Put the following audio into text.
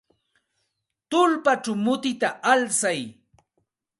Tullpachaw mutita alsay.